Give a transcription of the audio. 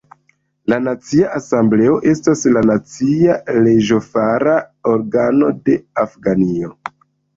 La Nacia Asembleo estas la nacia leĝofara organo de Afganio.